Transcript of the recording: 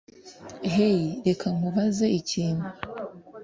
Hey reka nkubaze ikintu